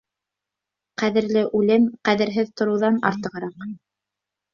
Ҡәҙерле үлем ҡәҙерһеҙ тороуҙан артығыраҡ.